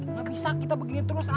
nggak bisa kita begini terus